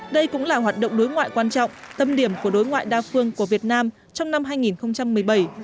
đây cũng là hoạt động đối ngoại quan trọng tâm điểm của đối ngoại đa phương của việt nam trong năm hai nghìn một mươi bảy